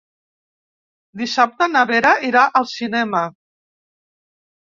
Dissabte na Vera irà al cinema.